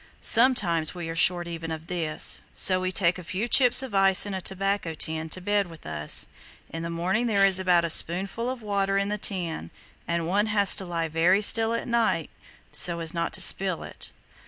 Sometimes we are short even of this, so we take a few chips of ice in a tobacco tin to bed with us. In the morning there is about a spoonful of water in the tin, and one has to lie very still all night so as not to spill it."